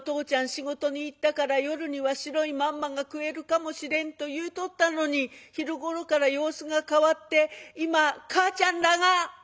仕事に行ったから夜には白いまんまが食えるかもしれん』と言うとったのに昼頃から様子が変わって今母ちゃんらが」。